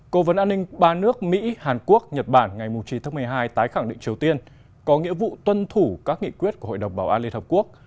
cố vấn an ninh ba nước mỹ hàn quốc nhật bản ngày chín tháng một mươi hai tái khẳng định triều tiên có nghĩa vụ tuân thủ các nghị quyết của hội đồng bảo an liên hợp quốc